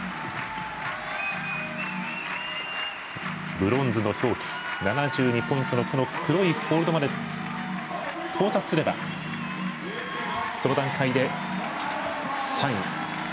ブロンズの表記、７２ポイントの黒いホールドまで到達すればその段階で３位。